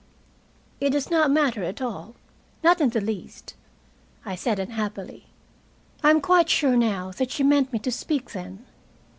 "It does not matter at all not in the least," I said unhappily. I am quite sure now that she meant me to speak then.